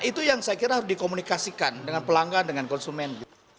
itu yang saya kira harus dikomunikasikan dengan pelanggan dengan konsumen